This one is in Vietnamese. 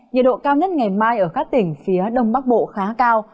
nhiệt độ cao nhất ngày mai ở các tỉnh phía đông bắc bộ khá cao